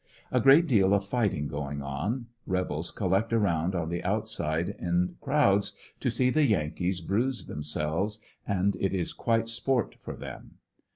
A great deal of fighting going on. Rebels collect around on the outside in crowds to see the Yankees bruise themselves and it is quite sport for them.